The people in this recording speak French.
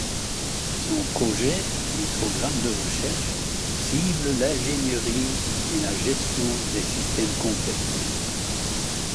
Son projet et programme de recherche ciblent l'ingénierie et la gestion des systèmes complexes.